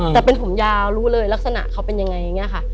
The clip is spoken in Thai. แต่เป็นผมยาวรู้เลยลักษณะเขาเป็นยังไงอย่างนี้ค่ะ